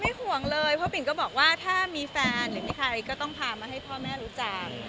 ห่วงเลยเพราะปิ่นก็บอกว่าถ้ามีแฟนหรือมีใครก็ต้องพามาให้พ่อแม่รู้จัก